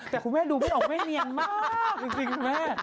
แต่คุณแม่ดูไม่ออกแม่เนียนมากจริงคุณแม่